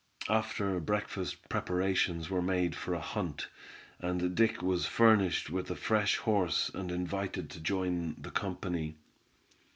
After breakfast preparations were made for a hunt, and Dick was furnished with a fresh horse, and invited to join the company.